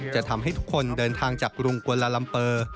จะทำให้ทุกคนเดินทางจากกรุงกวนลาลัมเปอร์